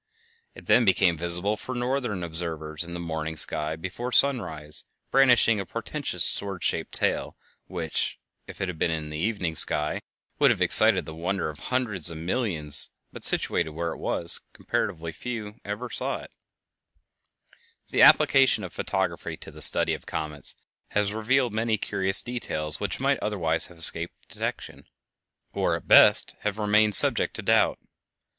It then became visible for northern observers in the morning sky before sunrise, brandishing a portentous sword shaped tail which, if it had been in the evening sky, would have excited the wonder of hundreds of millions, but situated where it was, comparatively few ever saw it. [Illustration: Daniels' comet. August 11, 1907] The application of photography to the study of comets has revealed many curious details which might otherwise have escaped detection, or at best have remained subject to doubt.